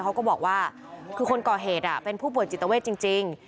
เขาก็บอกว่าคือคนก่อเหตุเป็นผู้ป่วยจิตเวทจริง